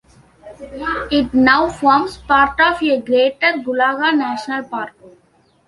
It now forms part of a greater Gulaga National Park.